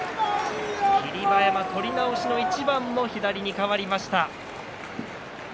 霧馬山、取り直しの一番も左に変わりました。